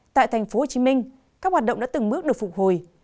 tại tp hcm các hoạt động đã từng bước được phục hồi